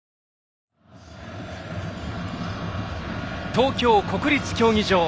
東京・国立競技場。